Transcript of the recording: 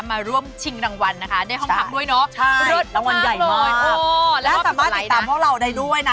มาร่วมชิงรางวัลนะคะได้ห้องขับด้วยเนอะรวดข้างหล่อยแล้วสามารถติดตามพวกเราได้ด้วยนะ